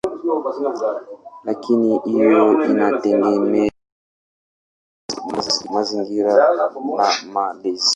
Lakini hiyo inategemea mazingira na malezi.